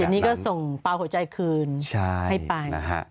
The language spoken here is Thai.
นี่ก็ส่งปลาหัวใจคืนให้ไป